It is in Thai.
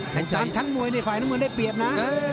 หันตามชั้นมวยในขวายน้ำมือได้เปรียบนะ